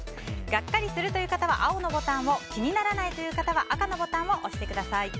ガッカリするという方は青のボタンを気にならないという方は赤のボタンを押してください。